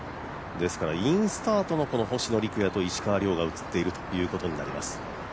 インスタートの星野陸也と石川遼が映っているということになります